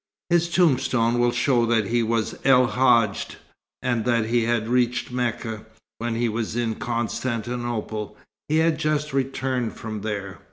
His tombstone will show that he was El Hadj, and that he had reached Mecca. When he was in Constantinople, he had just returned from there."